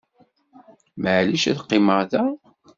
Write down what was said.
Maεlic ad qqimeɣ da?